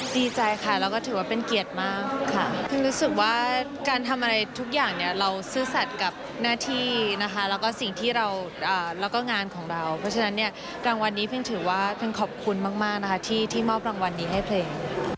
ดีใจค่ะแล้วก็ถือว่าเป็นเกียรติมากค่ะเพิ่งรู้สึกว่าการทำอะไรทุกอย่างเนี่ยเราซื่อสัตว์กับหน้าที่นะคะแล้วก็สิ่งที่เราแล้วก็งานของเราเพราะฉะนั้นเนี่ยรางวัลนี้เพิ่งถือว่าเพิ่งขอบคุณมากนะคะที่มอบรางวัลนี้ให้เพลง